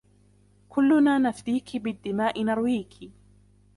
كُلُّنَا نَفْدِيكِ بِالدِّمَاء نَرْوِيكِ